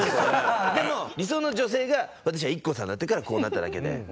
でも理想の女性が私はＩＫＫＯさんだったからこうなっただけで。